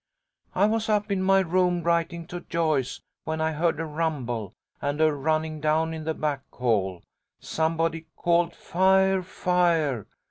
"I was up in my room writing to Joyce, when I heard a rumble and a running down in the back hall. Somebody called 'Fire! Fire!'